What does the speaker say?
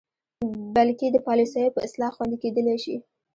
بلکې د پالسیو په اصلاح خوندې کیدلې شي.